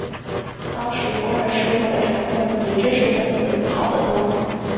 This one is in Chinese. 当时工人师傅的成分要比知识分子好得多。